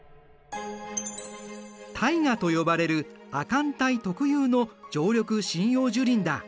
タイガと呼ばれる亜寒帯特有の常緑針葉樹林だ。